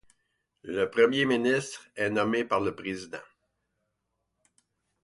Le premier ministre est nommé par le président.